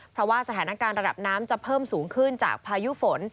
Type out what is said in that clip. เพราะว่าสถานการณ์ระดับน้ำจะเพิ่มสูงขึ้นจากพายุฝน